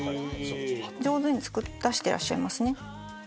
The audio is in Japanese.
上手に出してらっしゃいますね。